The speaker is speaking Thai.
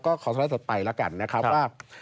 เพราะว่าโค้ดมันดียังไงนะครับก็ขอสัญลักษณ์ต่อไปแล้วกันนะครับ